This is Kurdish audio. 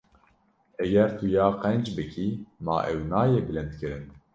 Eger tu ya qenc bikî, ma ew nayê bilindkirin?